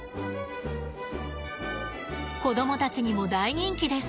子供たちにも大人気です。